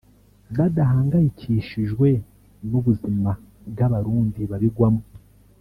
badahangayikishijwe n’ubuzima bw’Abarundi babigwamo